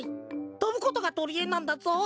とぶことがとりえなんだぞ。